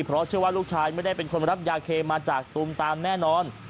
เพราะเชื่อว่าลูกชายไม่ได้เป็นคนรับยาเคมาจากตุมตามแน่นอน